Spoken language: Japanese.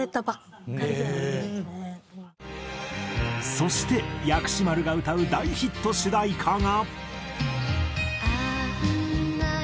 そして薬師丸が歌う大ヒット主題歌が。